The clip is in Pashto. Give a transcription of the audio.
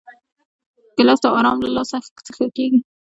ګیلاس د آرام له لاسه څښل کېږي.